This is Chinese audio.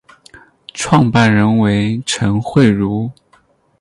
创办人为陈惠如。